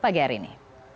pagi hari ini